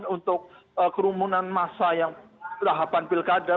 untuk kerumunan masa yang tahapan pilkada